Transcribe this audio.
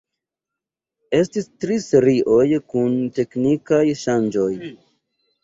Estis tri serioj kun teknikaj ŝanĝoj.